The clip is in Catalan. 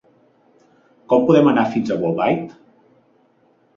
Com podem anar fins a Bolbait?